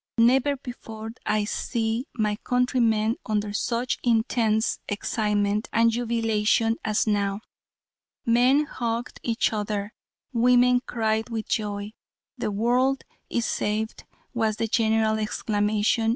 Never before did I see my countrymen under such intense excitement and jubilation as now. Men hugged each other; women cried with joy. The world is saved, was the general exclamation.